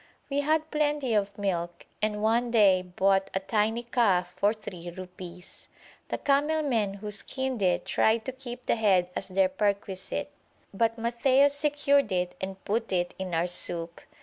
We had plenty of milk and one day bought a tiny calf for three rupees. The camel men who skinned it tried to keep the head as their perquisite, but Matthaios secured it and put it in our soup.